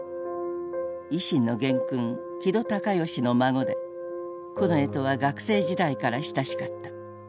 維新の元勲木戸孝允の孫で近衛とは学生時代から親しかった。